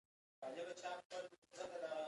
هلته د تولید وسایل د ټولو خلکو په واک کې وي.